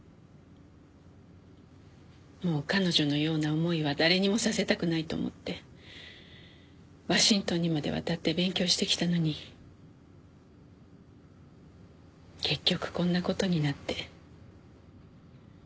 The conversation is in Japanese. もう彼女のような思いは誰にもさせたくないと思ってワシントンにまで渡って勉強してきたのに結局こんなことになって。